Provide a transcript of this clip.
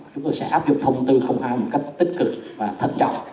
chúng ta sẽ áp dụng thông tư không hạn một cách tích cực và thất trọng